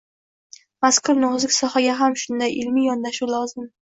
mazkur nozik sohaga ham shunday – ilmiy yondashuv lozim.